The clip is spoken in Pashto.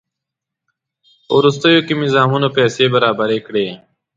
په وروستیو کې مې زامنو پیسې برابرې کړې.